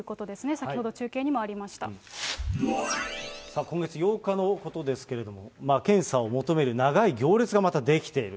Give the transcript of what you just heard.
先ほど、今月８日のことですけれども、検査を求める長い行列がまた出来ている。